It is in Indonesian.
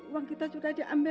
uang kita sudah diambil